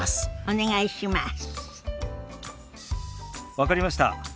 分かりました。